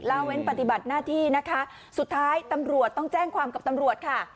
ละเว้นปฏิบัติหน้าที่นะคะสุดท้ายตำรวจต้องแจ้งความกับตำรวจค่ะ